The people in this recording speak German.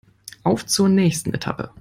Auf zur nächsten Etappe!